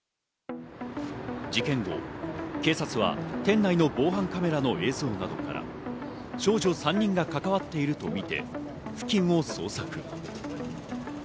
事件後、警察は店内の防犯カメラの映像などから少女３人が関わっているとみて付近を捜索。